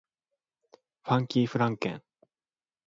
ファンキーフランケン